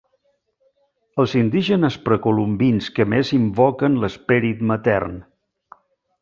Els indígenes precolombins que més invoquen l'esperit matern.